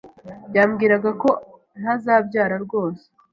yambwiraga ko ntazabyara rwose